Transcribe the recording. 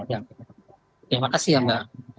ya makasih ya mbak